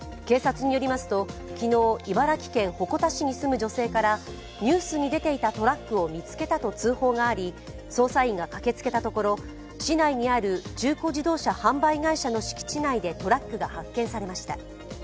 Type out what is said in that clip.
警察によりますと昨日、茨城県鉾田市に住む女性からニュースに出ていたトラックを見つけたと通報があり、捜査員が駆けつけたところ市内にある中古自動車販売会社の敷地内でトラックが発見されました。